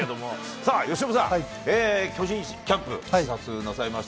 さあ、由伸さん、巨人キャンプ、視察なさいました。